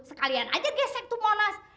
sekalian aja gesek tuh monas